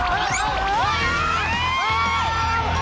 โอ้โฮโอ้โฮโอ้โฮ